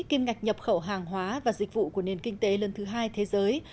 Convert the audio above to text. kim ngạch nhập khẩu hàng hóa và dịch vụ của nền kinh tế lớn thứ hai thế giới